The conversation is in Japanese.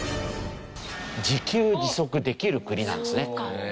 自給自足できる国なんですね。